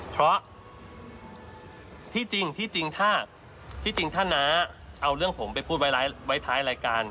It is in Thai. เพราะที่จริงที่จริงถ้าที่จริงถ้าน้าเอาเรื่องผมไปพูดไว้ท้ายรายการ